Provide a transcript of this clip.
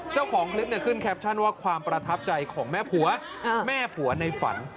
เจ้าของคลิปขึ้นแคปชั่นว่าความประทับใจของแม่ผัวแม่ผัวในฝัน